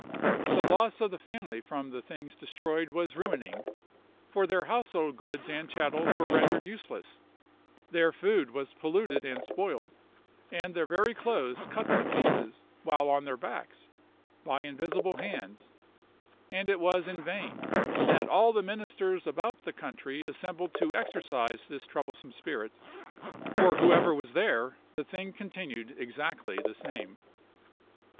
The loss of the family from the things destroyed was ruining; for their household goods and chattels were rendered useless, their food was polluted and spoiled, and their very clothes cut to pieces while on their backs, by invisible hands; and it was in vain that all the ministers about the country assembled to exorcise this troublesome spirit, for whoever was there the thing continued exactly the same.